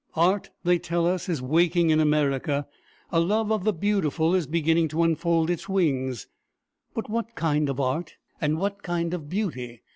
Art, they tell us, is waking in America; a love of the beautiful is beginning to unfold its wings; but what kind of art, and what kind of beauty?